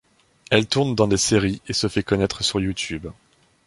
Elle tourne dans des séries et se fait connaître sur YouTube.